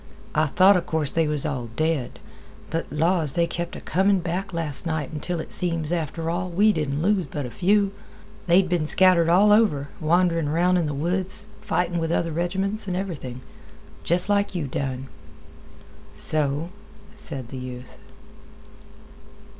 "I thought 'a course they was all dead, but, laws, they kep' a comin' back last night until it seems, after all, we didn't lose but a few. They'd been scattered all over, wanderin' around in th' woods, fightin' with other reg'ments, an' everything. Jest like you done." "So?" said the youth.